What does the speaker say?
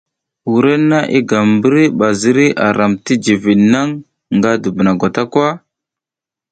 Wrenna i gam mbri ba ziri a ram ti jivid naŋ nga dubuna gwata ka.